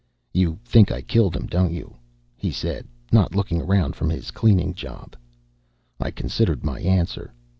"You think I killed him, don't you?" he said, not looking around from his cleaning job. I considered my answer.